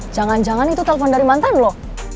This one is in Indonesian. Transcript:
jangan jangan itu telfon dari mantan lo